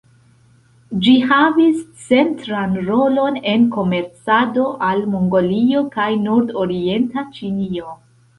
Ĝi havis centran rolon en komercado al Mongolio kaj Nordorienta Ĉinio.